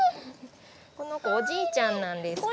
この子おじいちゃんなんですけど。